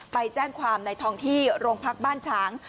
ไปแจ้งความในทองที่โรงพักบ้านฉาง